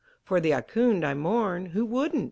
For the Ahkoond I mourn, Who wouldn't?